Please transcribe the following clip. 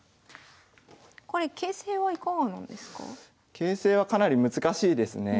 形勢はかなり難しいですね。